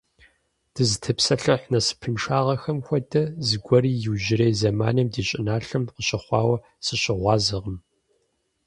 Дызытепсэлъыхь насыпыншагъэхэм хуэдэ зыгуэри иужьрей зэманым ди щӀыналъэм къыщыхъуауэ сыщыгъуазэкъым.